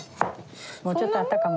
もうちょっとあったかも。